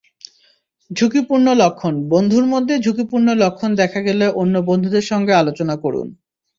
ঝুঁকিপূর্ণ লক্ষণবন্ধুর মধ্যে ঝুঁকিপূর্ণ লক্ষণ দেখা গেলে অন্য বন্ধুদের সঙ্গে আলোচনা করুন।